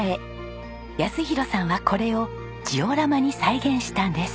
泰弘さんはこれをジオラマに再現したんです。